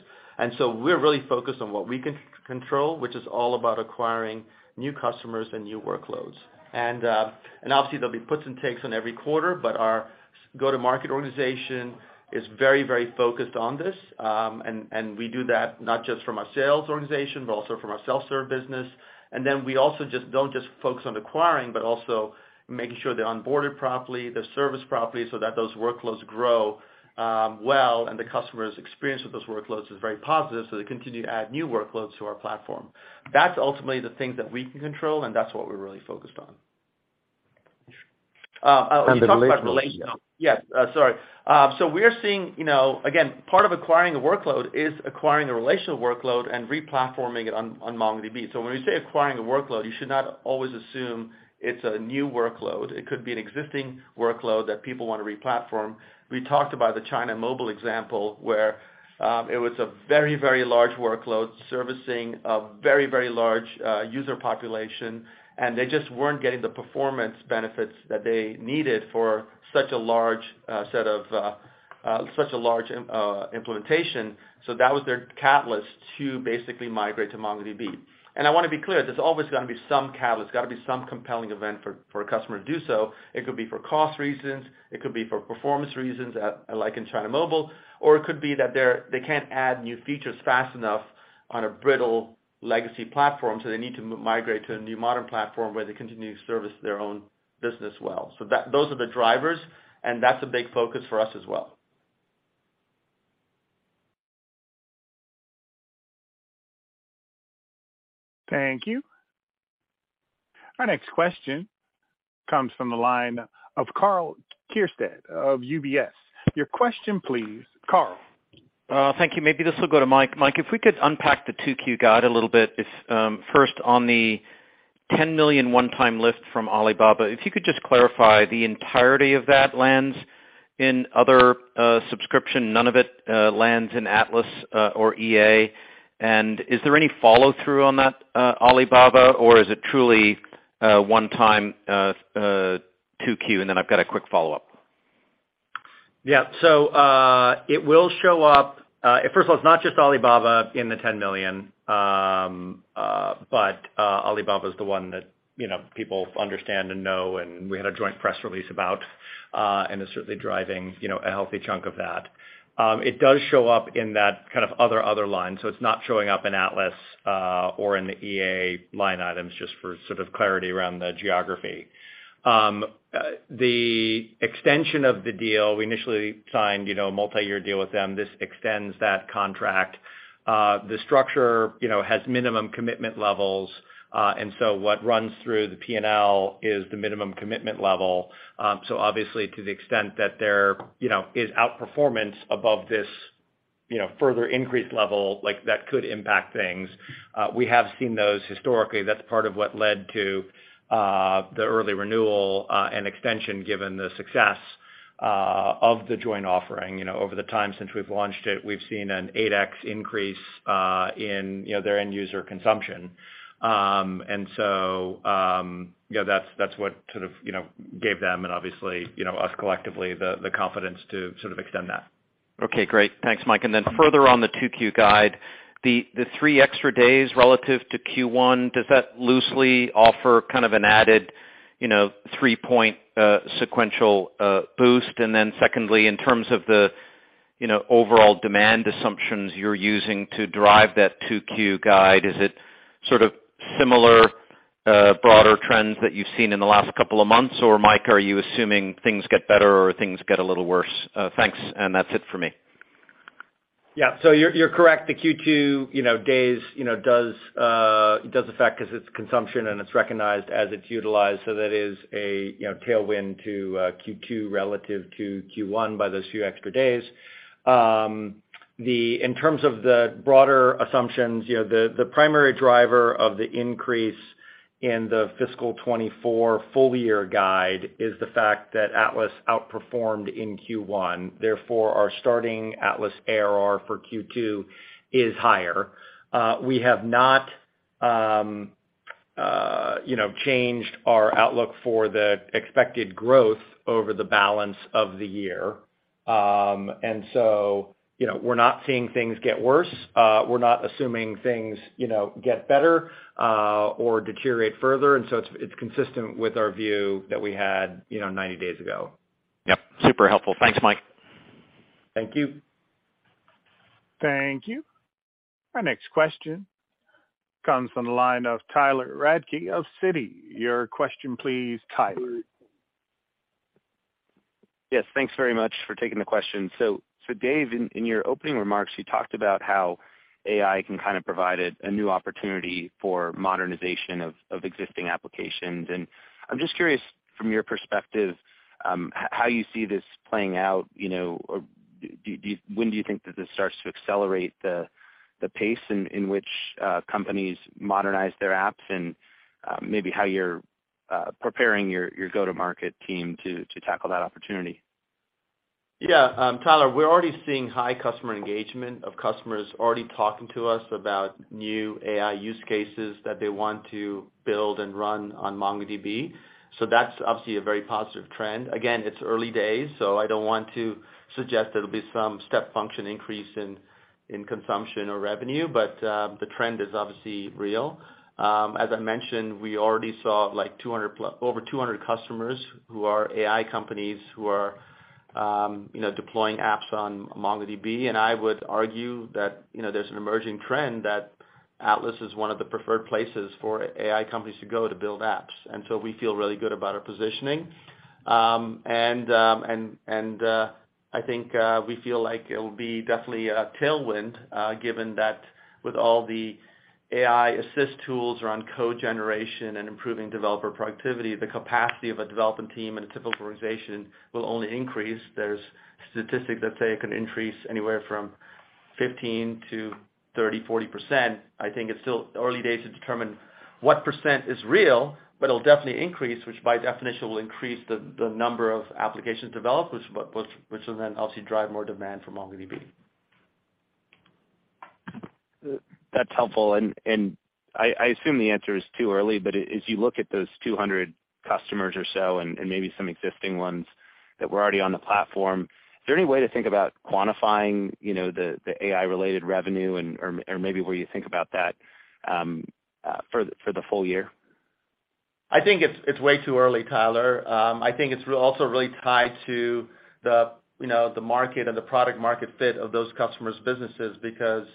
Speaker 3: We're really focused on what we can control, which is all about acquiring new customers and new workloads. Obviously, there'll be puts and takes on every quarter, but our go-to-market organization is very, very focused on this. We do that not just from a sales organization, but also from our self-serve business. We also don't just focus on acquiring, but also making sure they're onboarded properly, they're serviced properly, so that those workloads grow, well, and the customer's experience with those workloads is very positive, so they continue to add new workloads to our platform. That's ultimately the things that we can control, and that's what we're really focused on. We talked about.
Speaker 9: the relational-
Speaker 3: Yeah. Sorry. We're seeing, you know, again, part of acquiring a workload is acquiring a relational workload and replatforming it on MongoDB. When we say acquiring a workload, you should not always assume it's a new workload. It could be an existing workload that people want to replatform. We talked about the China Mobile example, where it was a very, very large workload servicing a very, very large user population, and they just weren't getting the performance benefits that they needed for such a large set of such a large implementation. That was their catalyst to basically migrate to MongoDB. I wanna be clear, there's always gonna be some catalyst, gotta be some compelling event for a customer to do so. It could be for cost reasons, it could be for performance reasons, like in China Mobile, or it could be that they can't add new features fast enough on a brittle legacy platform, so they need to migrate to a new modern platform where they continue to service their own business well. Those are the drivers, and that's a big focus for us as well.
Speaker 1: Thank you. Our next question comes from the line of Karl Keirstead of UBS. Your question, please, Karl.
Speaker 10: Thank you. Maybe this will go to Mike. Mike, if we could unpack the 2Q guide a little bit. It's, first, on the $10 million one-time lift from Alibaba, if you could just clarify, the entirety of that lands in other subscription, none of it lands in Atlas or EA? Is there any follow-through on that Alibaba, or is it truly one-time 2Q? I've got a quick follow-up.
Speaker 4: Yeah. it will show up. First of all, it's not just Alibaba in the $10 million. Alibaba is the one that, you know, people understand and know, and we had a joint press release about, and is certainly driving, you know, a healthy chunk of that. It does show up in that kind of other line, so it's not showing up in Atlas or in the EA line items, just for sort of clarity around the geography. The extension of the deal, we initially signed, you know, a multi-year deal with them. This extends that contract. The structure, you know, has minimum commitment levels. What runs through the P&L is the minimum commitment level. Obviously, to the extent that there, you know, is outperformance above this, you know, further increased level, like, that could impact things. We have seen those historically. That's part of what led to the early renewal and extension, given the success of the joint offering. You know, over the time since we've launched it, we've seen an 8x increase in their end user consumption. That's what sort of gave them and obviously us collectively the confidence to sort of extend that.
Speaker 10: Okay, great. Thanks, Mike. Further on the 2Q guide, the three extra days relative to Q1, does that loosely offer kind of an added, you know, three-point sequential boost? Secondly, in terms of the, you know, overall demand assumptions you're using to drive that 2Q guide, is it sort of similar broader trends that you've seen in the last couple of months? Or, Mike, are you assuming things get better or things get a little worse? Thanks, and that's it for me.
Speaker 4: Yeah, you're correct. The Q2, you know, days, you know, does affect 'cause it's consumption and it's recognized as it's utilized, that is a, you know, tailwind to Q2 relative to Q1 by those few extra days. In terms of the broader assumptions, you know, the primary driver of the increase in the fiscal 2024 full year guide is the fact that Atlas outperformed in Q1, therefore, our starting Atlas ARR for Q2 is higher. We have not, you know, changed our outlook for the expected growth over the balance of the year. We're not seeing things get worse, we're not assuming things, you know, get better, or deteriorate further, it's consistent with our view that we had, you know, 90 days ago.
Speaker 10: Yep. Super helpful. Thanks, Mike.
Speaker 4: Thank you.
Speaker 1: Thank you. Our next question comes from the line of Tyler Radke of Citi. Your question, please, Tyler.
Speaker 11: Yes, thanks very much for taking the question. Dev, in your opening remarks, you talked about how AI can kind of provide a new opportunity for modernization of existing applications. I'm just curious from your perspective, how you see this playing out, you know, or when do you think that this starts to accelerate the pace in which companies modernize their apps? Maybe how you're preparing your go-to-market team to tackle that opportunity.
Speaker 3: Tyler, we're already seeing high customer engagement of customers already talking to us about new AI use cases that they want to build and run on MongoDB. That's obviously a very positive trend. Again, it's early days, I don't want to suggest there'll be some step function increase in consumption or revenue, but the trend is obviously real. As I mentioned, we already saw like over 200 customers who are AI companies, who are, you know, deploying apps on MongoDB. I would argue that, you know, there's an emerging trend that Atlas is one of the preferred places for AI companies to go to build apps. We feel really good about our positioning. I think, we feel like it'll be definitely a tailwind, given that with all the AI assist tools around code generation and improving developer productivity, the capacity of a development team and a typical organization will only increase. There's statistics that say it can increase anywhere from 15% to 30%, 40%. I think it's still early days to determine what percent is real, but it'll definitely increase, which by definition, will increase the number of applications developed, which will then obviously drive more demand for MongoDB.
Speaker 11: That's helpful. I assume the answer is too early, but as you look at those 200 customers or so and, maybe some existing ones that were already on the platform, is there any way to think about quantifying, you know, the AI-related revenue and, or maybe where you think about that for the full year?
Speaker 3: I think it's way too early, Tyler. I think it's also really tied to the, you know, the market and the product market fit of those customers' businesses, because,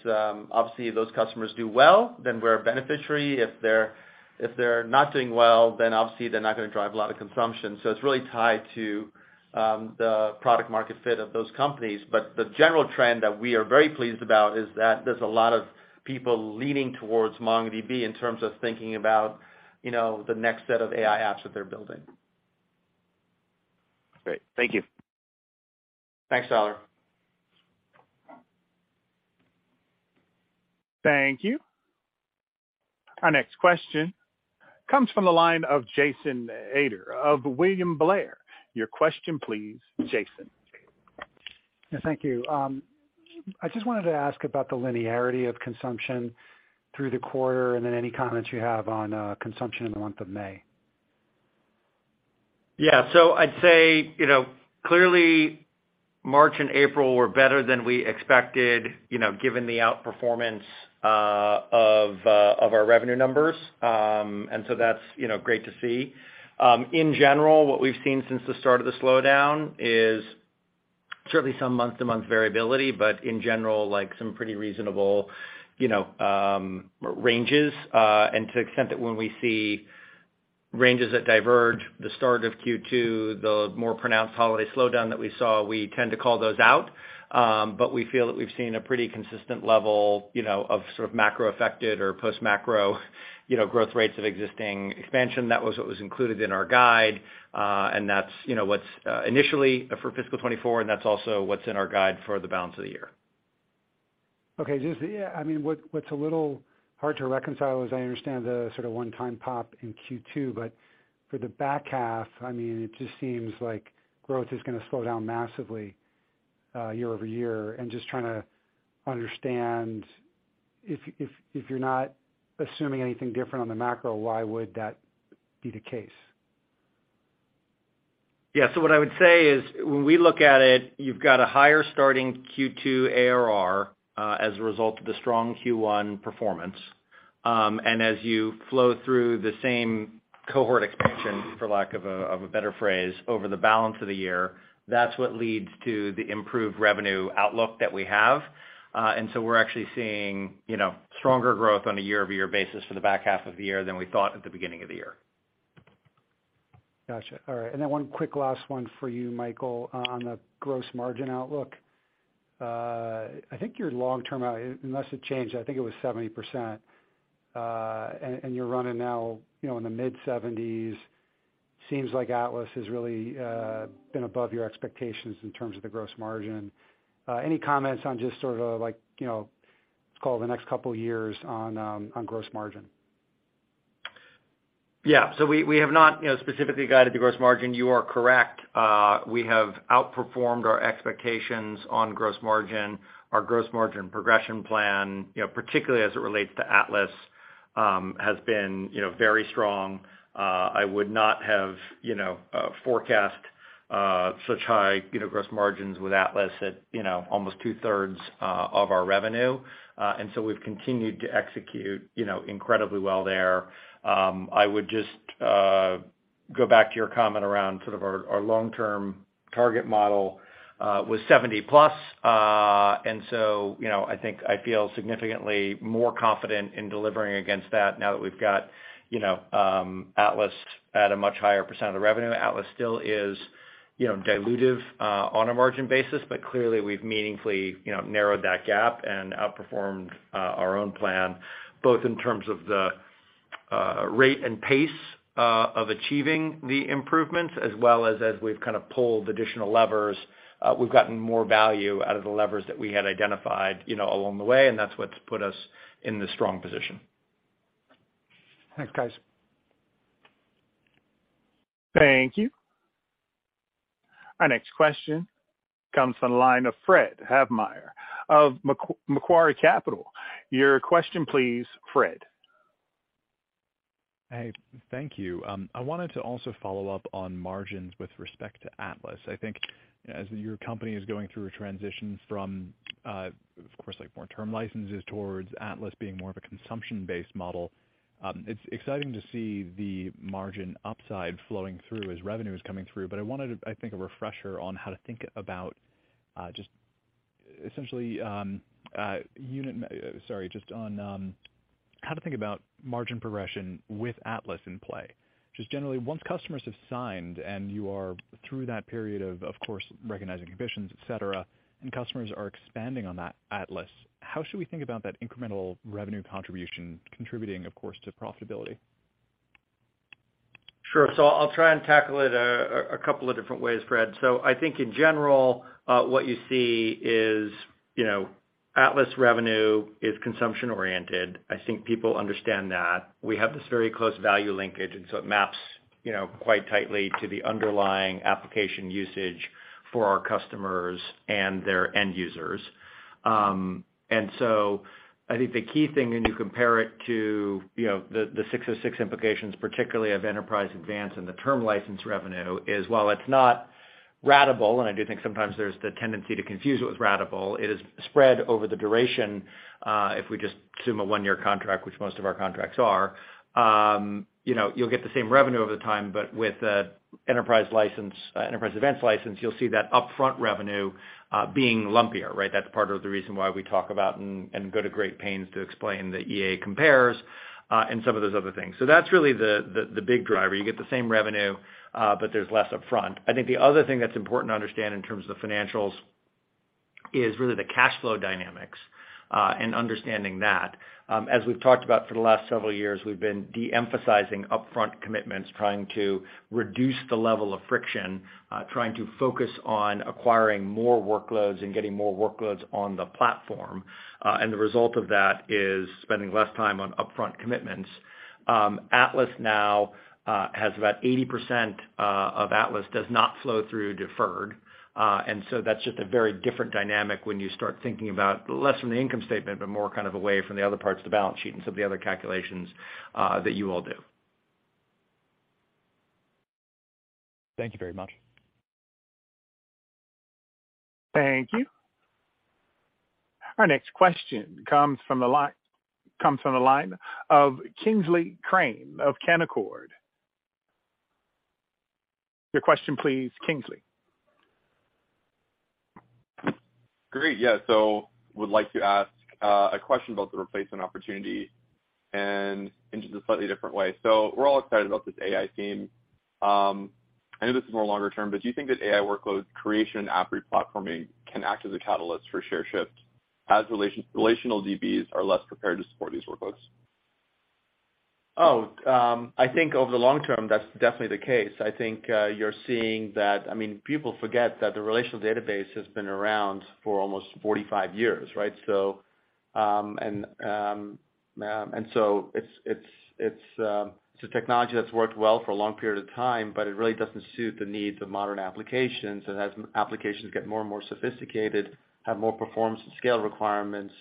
Speaker 3: obviously, if those customers do well, then we're a beneficiary. If they're, if they're not doing well, then obviously they're not gonna drive a lot of consumption. It's really tied to the product market fit of those companies. The general trend that we are very pleased about is that there's a lot of people leaning towards MongoDB in terms of thinking about, you know, the next set of AI apps that they're building.
Speaker 11: Great. Thank you.
Speaker 3: Thanks, Tyler.
Speaker 1: Thank you. Our next question comes from the line of Jason Ader of William Blair. Your question please, Jason.
Speaker 12: Yeah, thank you. I just wanted to ask about the linearity of consumption through the quarter, any comments you have on consumption in the month of May?
Speaker 3: Yeah. I'd say, you know, clearly, March and April were better than we expected, you know, given the outperformance of our revenue numbers. That's, you know, great to see. In general, what we've seen since the start of the slowdown is certainly some month-to-month variability, but in general, like, some pretty reasonable, you know, ranges. To the extent that when we see ranges that diverge, the start of Q2, the more pronounced holiday slowdown that we saw, we tend to call those out. We feel that we've seen a pretty consistent level, you know, of sort of macro-affected or post-macro, you know, growth rates of existing expansion. That was what was included in our guide, and that's, you know, what's, initially for fiscal 2024, and that's also what's in our guide for the balance of the year.
Speaker 12: Okay, just, yeah, I mean, what's a little hard to reconcile, as I understand, the sort of one-time pop in Q2, but for the back half, I mean, it just seems like growth is gonna slow down massively, year-over-year. Just trying to understand if you're not assuming anything different on the macro, why would that be the case?
Speaker 3: Yeah. What I would say is, when we look at it, you've got a higher starting Q2 ARR, as a result of the strong Q1 performance. As you flow through the same cohort expansion, for lack of a, of a better phrase, over the balance of the year, that's what leads to the improved revenue outlook that we have. We're actually seeing, you know, stronger growth on a year-over-year basis for the back half of the year than we thought at the beginning of the year.
Speaker 12: Gotcha. One quick last one for you, Michael, on the gross margin outlook. I think your long-term out, unless it changed, I think it was 70%, and you're running now, you know, in the mid-70s. Seems like Atlas has really been above your expectations in terms of the gross margin. Any comments on just sort of like, you know, call it the next two years on gross margin?
Speaker 4: Yeah, we have not, you know, specifically guided the gross margin. You are correct. We have outperformed our expectations on gross margin. Our gross margin progression plan, you know, particularly as it relates to Atlas, has been, you know, very strong. I would not have, you know, forecast such high, you know, gross margins with Atlas at, you know, almost two-thirds of our revenue. We've continued to execute, you know, incredibly well there. I would just go back to your comment around sort of our long-term target model was 70+. You know, I think I feel significantly more confident in delivering against that now that we've got, you know, Atlas at a much higher percent of the revenue. Atlas still is, you know, dilutive, on a margin basis, but clearly we've meaningfully, you know, narrowed that gap and outperformed, our own plan, both in terms of the rate and pace of achieving the improvements, as well as we've kind of pulled additional levers, we've gotten more value out of the levers that we had identified, you know, along the way. That's what's put us in this strong position.
Speaker 12: Thanks, guys.
Speaker 1: Thank you. Our next question comes from the line of Fred Havemeyer of Macquarie Capital. Your question, please, Fred.
Speaker 13: Hey, thank you. I wanted to also follow up on margins with respect to Atlas. I think as your company is going through a transition from, of course, like, more term licenses towards Atlas being more of a consumption-based model, it's exciting to see the margin upside flowing through as revenue is coming through. I wanted, I think, a refresher on how to think about margin progression with Atlas in play. Generally, once customers have signed, and you are through that period of course, recognizing commissions, et cetera, and customers are expanding on that Atlas, how should we think about that incremental revenue contribution contributing, of course, to profitability?
Speaker 4: Sure. I'll try and tackle it a couple of different ways, Fred. I think in general, what you see is, you know, Atlas revenue is consumption-oriented. I think people understand that. We have this very close value linkage, and so it maps, you know, quite tightly to the underlying application usage for our customers and their end users. I think the key thing when you compare it to, you know, the six of six implications, particularly of Enterprise Advanced and the term license revenue, is while it's not ratable, and I do think sometimes there's the tendency to confuse it with ratable, it is spread over the duration, if we just assume a one-year contract, which most of our contracts are, you know, you'll get the same revenue over the time, but with the enterprise license, Enterprise Advanced license, you'll see that upfront revenue being lumpier, right? That's part of the reason why we talk about and go to great pains to explain the EA compares, and some of those other things. That's really the big driver. You get the same revenue, but there's less upfront. I think the other thing that's important to understand in terms of the financials is really the cash flow dynamics, understanding that. As we've talked about for the last several years, we've been de-emphasizing upfront commitments, trying to reduce the level of friction, trying to focus on acquiring more workloads and getting more workloads on the platform. The result of that is spending less time on upfront commitments. Atlas now, has about 80%, of Atlas does not flow through deferred. That's just a very different dynamic when you start thinking about less from the income statement, but more kind of away from the other parts of the balance sheet and some of the other calculations, that you all do.
Speaker 13: Thank you very much.
Speaker 1: Thank you. Our next question comes from the line of Kingsley Crane of Canaccord. Your question, please, Kingsley.
Speaker 14: Great. Yeah. Would like to ask a question about the replacement opportunity and in just a slightly different way. We're all excited about this AI theme. I know this is more longer term, but do you think that AI workloads creation app replatforming can act as a catalyst for share shift as relational DBs are less prepared to support these workloads?
Speaker 4: I think over the long term, that's definitely the case. I think, you're seeing that... I mean, people forget that the relational database has been around for almost 45 years, right? It's a technology that's worked well for a long period of time, but it really doesn't suit the needs of modern applications. As applications get more and more sophisticated, have more performance and scale requirements,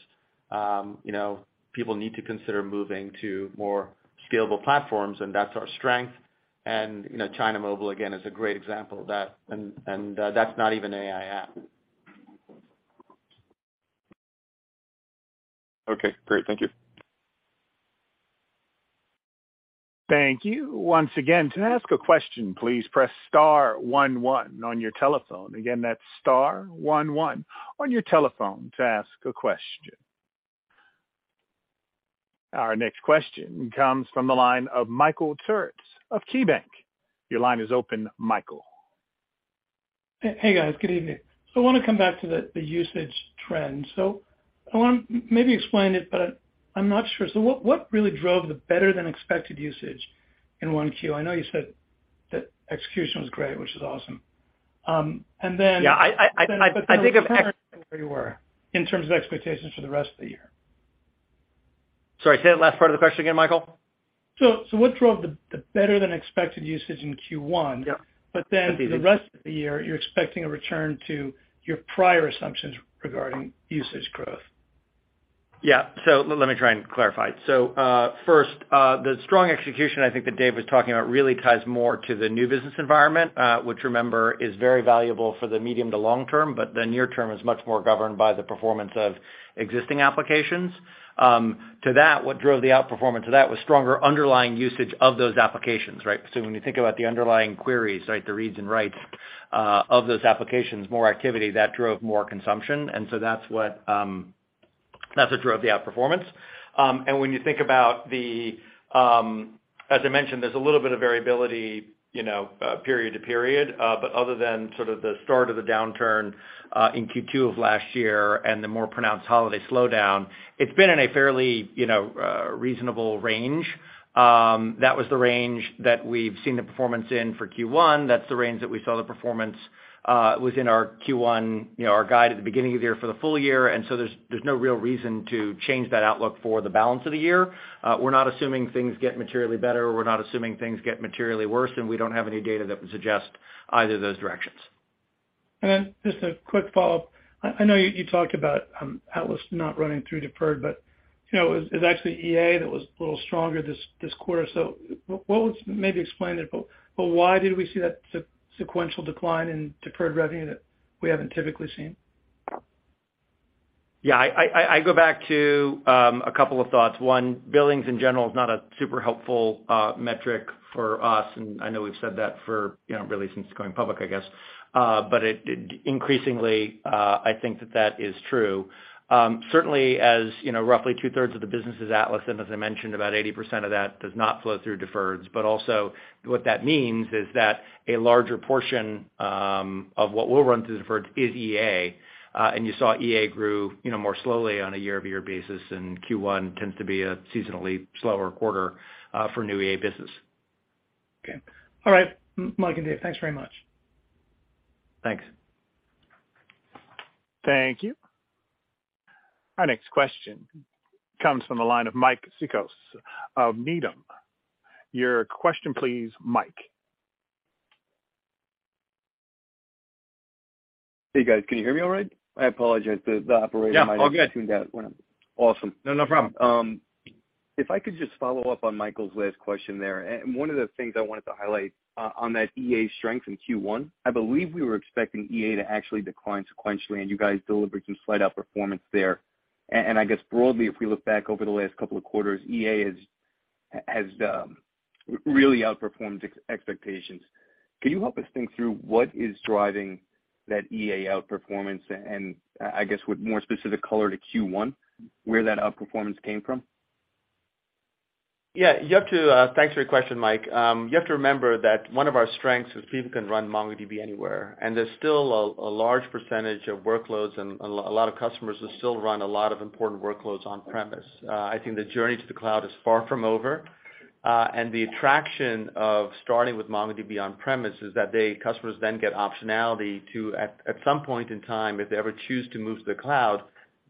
Speaker 4: you know, people need to consider moving to more scalable platforms, and that's our strength. You know, China Mobile, again, is a great example of that, and that's not even AI app.
Speaker 14: Okay, great. Thank you.
Speaker 1: Thank you. Once again, to ask a question, please press star one one on your telephone. Again, that's star one one on your telephone to ask a question. Our next question comes from the line of Michael Turits of KeyBanc. Your line is open, Michael.
Speaker 15: Hey, guys, good evening. I want to come back to the usage trend. I want maybe explain it, but I'm not sure. What really drove the better than expected usage in 1Q? I know you said that execution was great, which is awesome.
Speaker 4: Yeah, I think of-
Speaker 15: Where you were in terms of expectations for the rest of the year.
Speaker 4: Sorry, say that last part of the question again, Michael.
Speaker 15: what drove the better than expected usage in Q1?
Speaker 4: Yeah.
Speaker 15: The rest of the year, you're expecting a return to your prior assumptions regarding usage growth.
Speaker 4: Yeah. Let me try and clarify. First, the strong execution I think that Dev was talking about, really ties more to the new business environment, which remember, is very valuable for the medium to long term, but the near term is much more governed by the performance of existing applications. To that, what drove the outperformance to that was stronger underlying usage of those applications, right? When you think about the underlying queries, right, the reads and writes, of those applications, more activity, that drove more consumption, and so that's what drove the outperformance. When you think about the, as I mentioned, there's a little bit of variability, you know, period to period, but other than sort of the start of the downturn, in Q2 of last year and the more pronounced holiday slowdown, it's been in a fairly, you know, reasonable range. That was the range that we've seen the performance in for Q1. That's the range that we saw the performance, within our Q1, you know, our guide at the beginning of the year for the full year, there's no real reason to change that outlook for the balance of the year. We're not assuming things get materially better, we're not assuming things get materially worse, and we don't have any data that would suggest either of those directions.
Speaker 15: Just a quick follow-up. I know you talked about Atlas not running through deferred, but, you know, it's actually EA that was a little stronger this quarter. What was? Maybe explain it, but why did we see that sequential decline in deferred revenue that we haven't typically seen?
Speaker 4: I go back to a couple of thoughts. One, billings in general is not a super helpful metric for us, and I know we've said that for, you know, really since going public, I guess. It increasingly, I think that that is true. Certainly, as you know, roughly 2/3 of the business is Atlas, and as I mentioned, about 80% of that does not flow through deferreds. Also, what that means is that a larger portion of what will run through deferred is EA, and you saw EA grew, you know, more slowly on a year-over-year basis, and Q1 tends to be a seasonally slower quarter for new EA business.
Speaker 15: Okay. All right. Mike and Dev, thanks very much.
Speaker 4: Thanks.
Speaker 1: Thank you. Our next question comes from the line of Mike Cikos of Needham. Your question please, Mike.
Speaker 16: Hey, guys, can you hear me all right? I apologize, the operator might.
Speaker 4: Yeah, all good.
Speaker 16: Awesome.
Speaker 4: No, no problem.
Speaker 16: If I could just follow up on Michael's last question there, and one of the things I wanted to highlight on that EA strength in Q1, I believe we were expecting EA to actually decline sequentially, and you guys delivered some slight outperformance there. I guess broadly, if we look back over the last couple of quarters, EA has really outperformed expectations. Can you help us think through what is driving that EA outperformance, and I guess, with more specific color to Q1, where that outperformance came from?
Speaker 4: Yeah, Thanks for your question, Mike. You have to remember that one of our strengths is people can run MongoDB anywhere, and there's still a large percentage of workloads and a lot of customers who still run a lot of important workloads on premise. I think the journey to the cloud is far from over, and the attraction of starting with MongoDB on premise is that customers then get optionality to, at some point in time, if they ever choose to move to the cloud,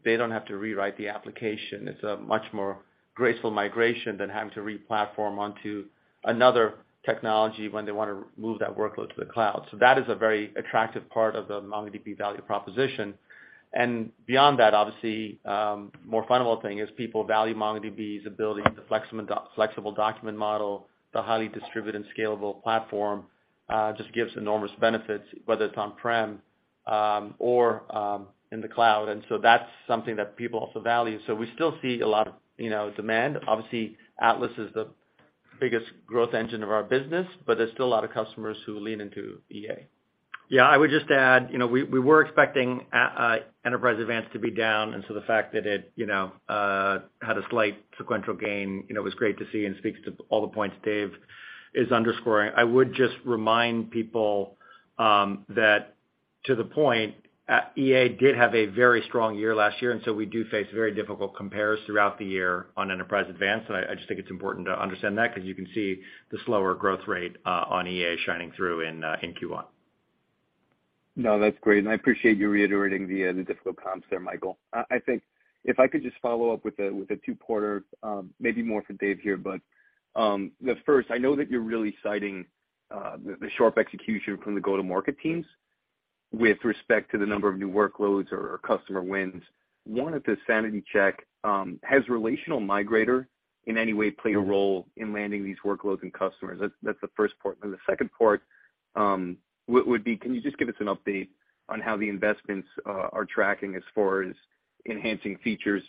Speaker 4: they don't have to rewrite the application. It's a much more graceful migration than having to re-platform onto another technology when they want to move that workload to the cloud. That is a very attractive part of the MongoDB value proposition. Beyond that, obviously, more fundamental thing is people value MongoDB's ability, the flexible document model, the highly distributed and scalable platform, just gives enormous benefits, whether it's on-prem or in the cloud. That's something that people also value. We still see a lot of, you know, demand. Obviously, Atlas is the biggest growth engine of our business, but there's still a lot of customers who lean into EA. I would just add, you know, we were expecting Enterprise Advanced to be down, the fact that it, you know, had a slight sequential gain, you know, was great to see and speaks to all the points Dev is underscoring. I would just remind people that to the point, EA did have a very strong year last year, we face very difficult compares throughout the year on Enterprise Advanced. I just think it's important to understand that, because you can see the slower growth rate on EA shining through in Q1.
Speaker 16: No, that's great. I appreciate you reiterating the difficult comps there, Michael. I think if I could just follow up with a two-parter, maybe more for Dev here. The first, I know that you're really citing the sharp execution from the go-to-market teams with respect to the number of new workloads or customer wins. One, is the sanity check, has Relational Migrator in any way played a role in landing these workloads and customers? That's the first part. The second part would be, can you just give us an update on how the investments are tracking as far as enhancing features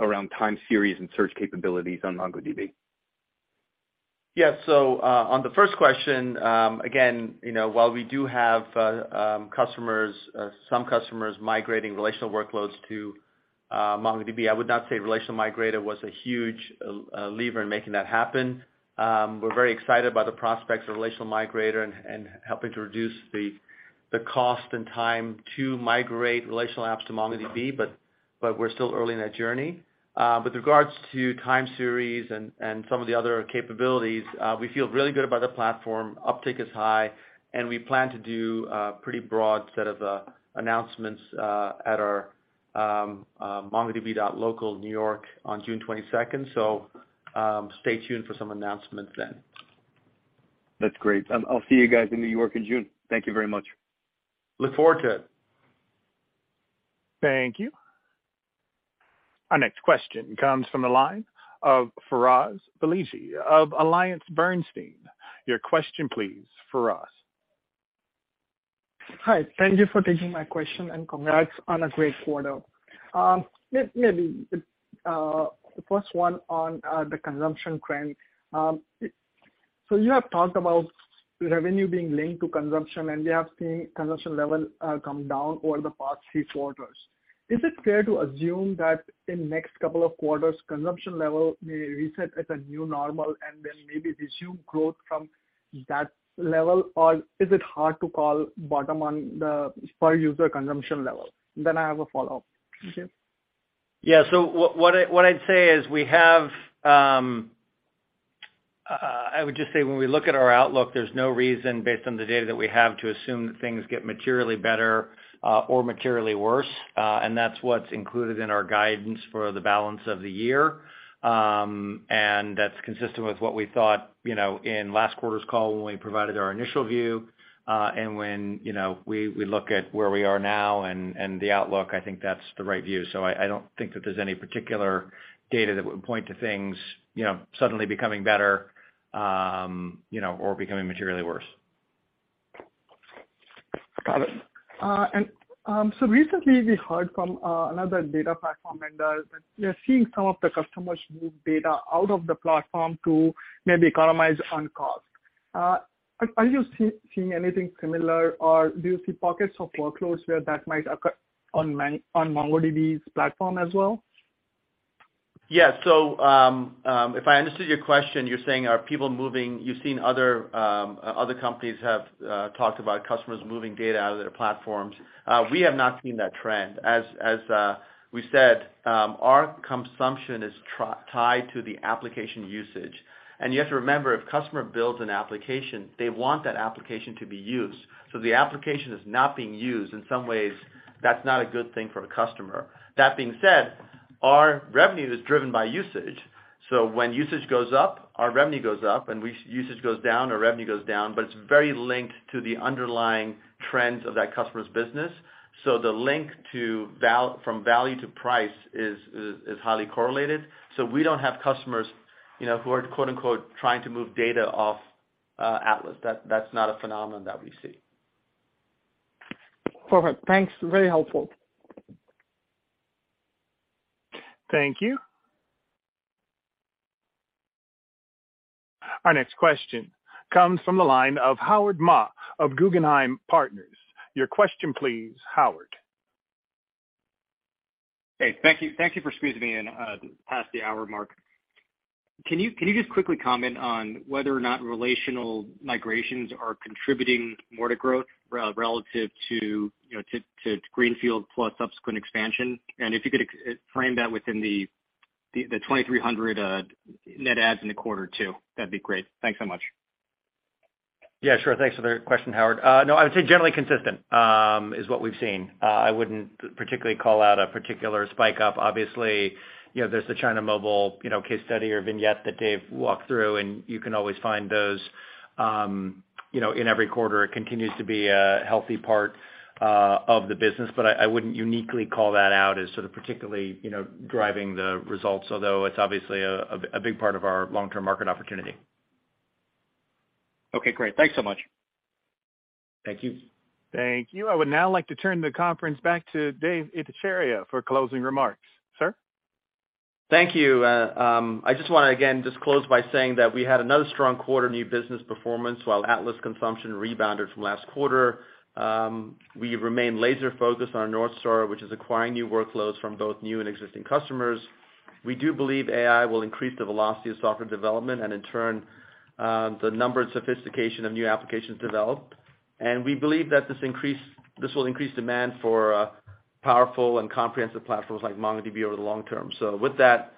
Speaker 16: around Time Series and search capabilities on MongoDB?
Speaker 3: Yeah. On the first question, again, you know, while we do have customers, some customers migrating relational workloads to MongoDB, I would not say Relational Migrator was a huge lever in making that happen. We're very excited about the prospects of Relational Migrator and helping to reduce the cost and time to migrate relational apps to MongoDB, but we're still early in that journey. With regards to Time Series and some of the other capabilities, we feel really good about the platform. Uptake is high, and we plan to do a pretty broad set of announcements at our MongoDB.local New York on June 22nd. Stay tuned for some announcements then.
Speaker 16: That's great. I'll see you guys in New York in June. Thank you very much.
Speaker 4: Look forward to it.
Speaker 1: Thank you. Our next question comes from the line of Firoz Valliji of AllianceBernstein. Your question, please, Firoz.
Speaker 17: Hi, thank you for taking my question, and congrats on a great quarter. Maybe the first one on the consumption trend. You have talked about revenue being linked to consumption, and we have seen consumption level come down over the past three quarters. Is it fair to assume that in next couple of quarters, consumption level may reset at a new normal and then maybe resume growth from that level? Or is it hard to call bottom on the per-user consumption level? I have a follow-up. Thank you.
Speaker 3: Yeah. What I'd say is we have, I would just say when we look at our outlook, there's no reason, based on the data that we have, to assume that things get materially better or materially worse. That's what's included in our guidance for the balance of the year. That's consistent with what we thought, you know, in last quarter's call when we provided our initial view. When, you know, we look at where we are now and the outlook, I think that's the right view. I don't think that there's any particular data that would point to things, you know, suddenly becoming better, you know, or becoming materially worse.
Speaker 17: Got it. Recently we heard from another data platform vendor that they're seeing some of the customers move data out of the platform to maybe economize on cost. Are you seeing anything similar, or do you see pockets of workloads where that might occur on MongoDB's platform as well?
Speaker 3: Yeah. If I understood your question, you're saying are people moving...? You've seen other companies have talked about customers moving data out of their platforms. We have not seen that trend. As we said, our consumption is tied to the application usage. You have to remember, if customer builds an application, they want that application to be used. The application is not being used, in some ways, that's not a good thing for a customer. That being said, our revenue is driven by usage, so when usage goes up, our revenue goes up, and usage goes down, our revenue goes down, but it's very linked to the underlying trends of that customer's business. The link to value from value to price is highly correlated. We don't have customers, you know, who are, quote, unquote, "trying to move data off," Atlas. That's not a phenomenon that we see.
Speaker 17: Perfect. Thanks. Very helpful.
Speaker 1: Thank you. Our next question comes from the line of Howard Ma of Guggenheim Partners. Your question please, Howard.
Speaker 18: Hey, thank you. Thank you for squeezing me in past the hour mark. Can you just quickly comment on whether or not relational migrations are contributing more to growth relative to, you know, Greenfield plus subsequent expansion? If you could frame that within the 2,300 net adds in the quarter, too, that'd be great. Thanks so much.
Speaker 4: Yeah, sure. Thanks for the question, Howard. No, I would say generally consistent, is what we've seen. I wouldn't particularly call out a particular spike up. Obviously, you know, there's the China Mobile, you know, case study or vignette that Dev walked through, and you can always find those, you know, in every quarter. It continues to be a healthy part of the business, but I wouldn't uniquely call that out as sort of particularly, you know, driving the results, although it's obviously a big part of our long-term market opportunity.
Speaker 18: Okay, great. Thanks so much.
Speaker 3: Thank you.
Speaker 1: Thank you. I would now like to turn the conference back to Dev Ittycheria for closing remarks. Sir?
Speaker 3: Thank you. I just wanna, again, just close by saying that we had another strong quarter new business performance, while Atlas consumption rebounded from last quarter. We remain laser focused on our North Star, which is acquiring new workloads from both new and existing customers. We do believe AI will increase the velocity of software development and in turn, the number and sophistication of new applications developed, and we believe that this will increase demand for powerful and comprehensive platforms like MongoDB over the long term. With that,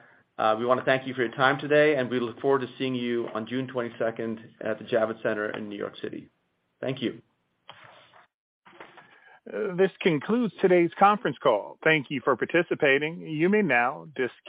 Speaker 3: we wanna thank you for your time today, and we look forward to seeing you on June 22nd at the Javits Center in New York City. Thank you.
Speaker 1: This concludes today's conference call. Thank you for participating. You may now disconnect.